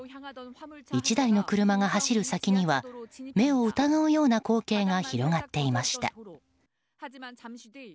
１台の車が走る先には目を疑うような光景が広がっていました。